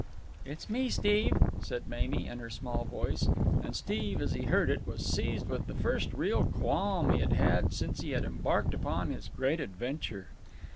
"It's me, Steve," said Mamie in her small voice. And Steve, as he heard it, was seized with the first real qualm he had had since he had embarked upon his great adventure.